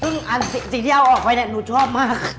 ซึ่งอันสิทธิ์ที่เอาออกไว้เนี่ยหนูชอบมาก